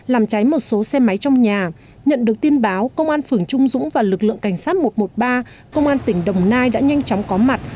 làm cháy một số xe máy trong nhà nhận được tin báo công an phường trung dũng và lực lượng cảnh sát một trăm một mươi ba công an tỉnh đồng nai đã nhanh chóng có mặt